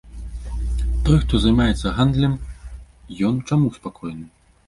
Той, хто займаецца гандлем, ён чаму спакойны?